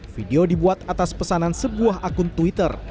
video dibuat atas pesanan sebuah akun twitter